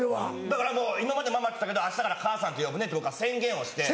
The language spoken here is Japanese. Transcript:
だからもう「今まで『ママ』って言ってたけど明日から『母さん』って呼ぶね」って僕は宣言をして。